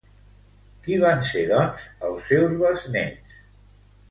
Qui van ser, doncs, els seus besnets?